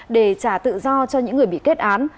để trả tự do cho những người bị kết án